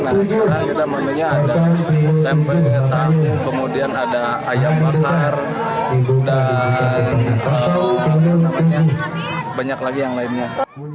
nah sekarang kita menunya ada tempe beta kemudian ada ayam bakar dan banyak lagi yang lainnya